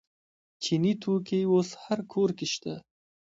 چیني توکي اوس هر کور کې شته.